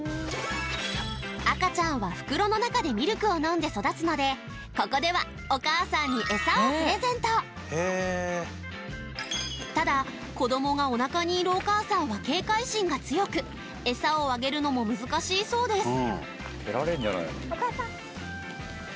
赤ちゃんは袋の中でミルクを飲んで育つのでここではエサをただ子どもがおなかにいるお母さんは警戒心が強くエサをあげるのも難しいそうです